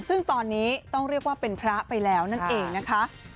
ซึ่งตอนนี้ต้องเรียกว่าเป็นพระไปแล้วนั่นเองนะคะ